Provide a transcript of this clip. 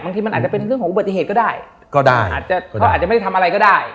บางทีมันอาจจะเป็นเรื่องของอุบัติเหตุก็ได้ก็ได้อาจจะเขาอาจจะไม่ได้ทำอะไรก็ได้